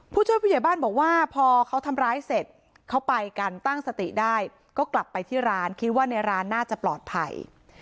ผู้ช่วยผู้ใหญ่บ้านบอกว่าพอเขาทำร้ายเสร็จเขาไปกันตั้งสติได้ก็กลับไปที่ร้านคิดว่าในร้านน่าจะปลอดภัย